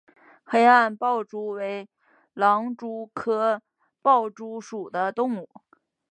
黑暗豹蛛为狼蛛科豹蛛属的动物。